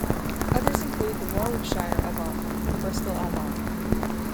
Others include the Warwickshire Avon, the Bristol Avon.